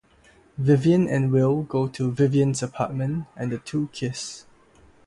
Vivian and Wil go to Vivian's apartment and the two kiss.